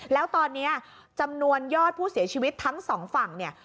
แล้วตอนนี้จำนวนยอดผู้เสียชีวิตทั้งสองฝั่งเนี่ย